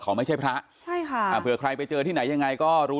ไม่ใช่พระใช่ค่ะอ่าเผื่อใครไปเจอที่ไหนยังไงก็รู้